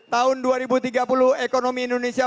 tahun dua ribu tiga puluh ekonomi indonesia